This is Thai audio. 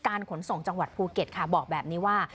ขนส่งจังหวัดภูเก็ตค่ะบอกแบบนี้ว่า